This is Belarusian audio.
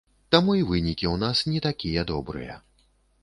Таму і вынікі ў нас не такія добрыя.